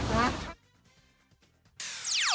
พวกเขาป๊ามากมากนะ